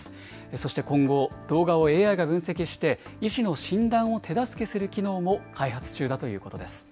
そして今後、動画をＡＩが分析して、医師の診断を手助けする機能も開発中だということです。